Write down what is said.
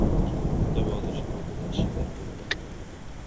তবে অতসী হয়তো তা স্বীকার করবে না।